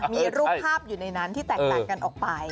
มีรูปภาพอยู่ในนั้นที่แตกต่างกันออกไป